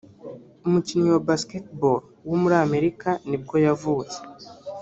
umukinnyi wa basketball wo muri Amerika nibwo yavutse